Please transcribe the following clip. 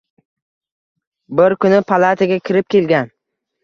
Bir kuni palataga kirib kelgan.